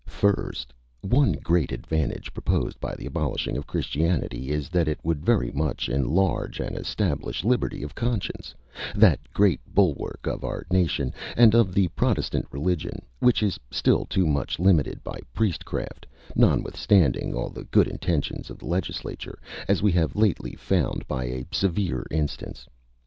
First, one great advantage proposed by the abolishing of Christianity is, that it would very much enlarge and establish liberty of conscience, that great bulwark of our nation, and of the Protestant religion, which is still too much limited by priestcraft, notwithstanding all the good intentions of the legislature, as we have lately found by a severe instance.